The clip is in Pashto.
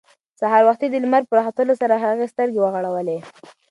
سهار وختي د لمر په راختلو سره هغې سترګې وغړولې.